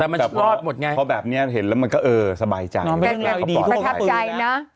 แต่มันชอบรอดหมดไงเพราะแบบนี้เห็นแล้วมันก็เออสบายใจรับปลอดภัยพระทับใจนะ